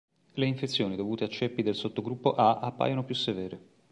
Le infezioni dovute a ceppi del sottogruppo A appaiono più severe.